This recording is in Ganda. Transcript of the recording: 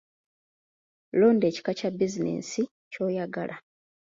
Londa ekika kya bizinensi ky'oyagala.